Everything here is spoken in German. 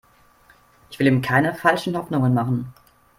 Ich will ihm keine falschen Hoffnungen machen.